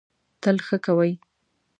تل ښه کوی.